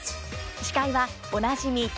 司会はおなじみ